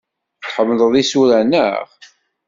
Tḥemmleḍ isura, naɣ?